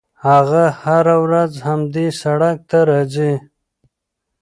هغه هره ورځ همدې سړک ته راځي.